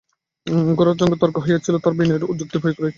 গোরার সঙ্গে যখন তর্ক হইয়াছিল তখন বিনয় বিরুদ্ধ যুক্তি প্রয়োগ করিয়াছে।